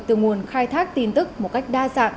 từ nguồn khai thác tin tức một cách đa dạng